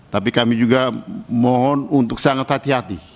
tapi kami juga mohon untuk sangat hati hati